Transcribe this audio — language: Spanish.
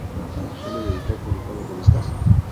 Campbell editó y publicó dos revistas.